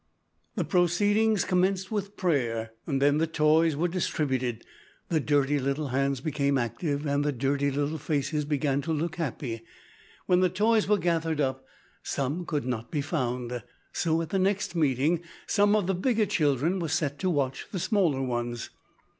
The proceedings commenced with prayer then the toys were distributed, the dirty little hands became active, and the dirty little faces began to look happy. When the toys were gathered up, some could not be found, so, at the next meeting, some of the bigger children were set to watch the smaller ones.